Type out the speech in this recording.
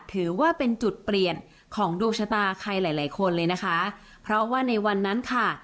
ถือว่าเป็นจุดเปลี่ยนของดวงชะตาใครหลายหลายคนเลยนะคะเพราะว่าในวันนั้นค่ะ